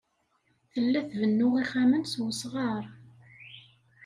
Tella tbennu ixxamen s wesɣar.